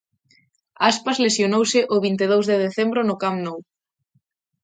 Aspas lesionouse o vinte e dous de decembro no Camp Nou.